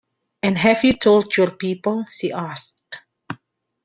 “And have you told your people?” she asked.